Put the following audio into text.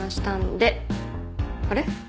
あれ？